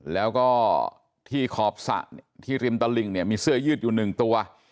แล้วก็ที่ขอบสระที่ริมตลิงเนี่ยมีเสื้อยืดอยู่หนึ่งตัว